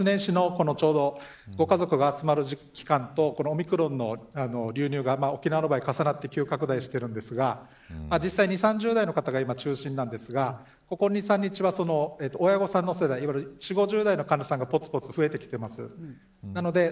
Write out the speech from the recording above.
今現在、年末年始のご家族が集まる期間とこのオミクロンの流入が沖縄の場合、重なって急拡大しているんですが実際、２０代、３０代の方が中心なんですがここ２、３日は親御さんの世代４０、５０代の患者さんが増えてきてます。